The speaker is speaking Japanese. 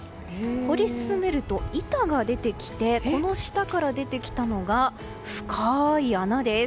掘り進めると、板が出てきてこの下から出てきたのが深い穴です。